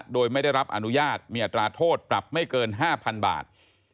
โดยไม่ได้รับอนุญาตมีอัตราโทษปรับไม่เกิน๕๐๐๐บาท